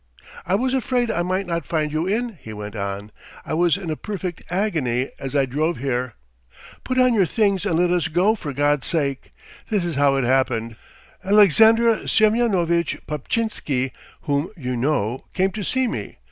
"I was afraid I might not find you in," he went on. "I was in a perfect agony as I drove here. Put on your things and let us go, for God's sake. ... This is how it happened. Alexandr Semyonovitch Paptchinsky, whom you know, came to see me.